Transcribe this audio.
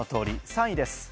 ３位です。